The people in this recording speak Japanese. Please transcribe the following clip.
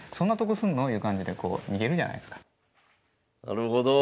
なるほど。